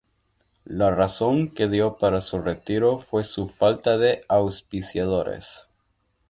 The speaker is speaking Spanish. La razón que dio para su retiro fue su falta de auspiciadores.